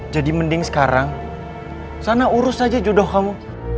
jadi mending sekarang sana urus aja judoh kamu